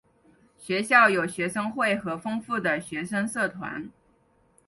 学校有学生会和丰富的学生社团。